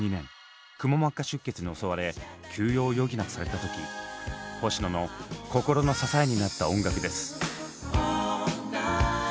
くも膜下出血に襲われ休養を余儀なくされた時星野の心の支えになった音楽です。